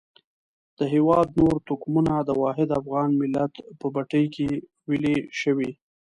د هېواد نور توکمونه د واحد افغان ملت په بټۍ کې ویلي شوي.